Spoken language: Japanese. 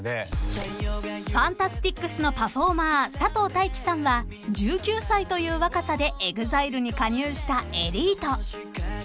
［ＦＡＮＴＡＳＴＩＣＳのパフォーマー佐藤大樹さんは１９歳という若さでＥＸＩＬＥに加入したエリート］